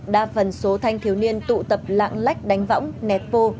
đa phần số thanh thiếu niên tụ tập lãng lách đánh võng nèo bô